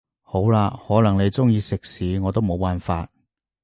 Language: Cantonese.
好啦，可能你鍾意食屎我都冇辦法